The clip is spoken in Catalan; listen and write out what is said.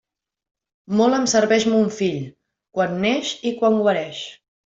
Molt em serveix mon fill, quan neix i quan guareix.